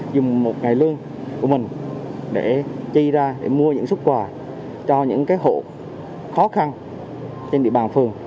dùng một ngày lương của mình để chi ra để mua những xuất quà cho những hộ khó khăn trên địa bàn phường